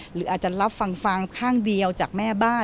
หรืออาจจะรับฟังฟางข้างเดียวจากแม่บ้าน